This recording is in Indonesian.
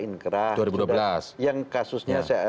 inkrah yang kasusnya